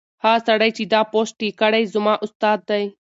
هغه سړی چې دا پوسټ یې کړی زما استاد دی.